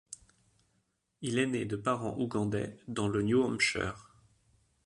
Il est né de parents ougandais dans le New Hampshire.